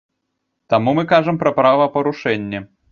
Таму мы кажам пра правапарушэнне.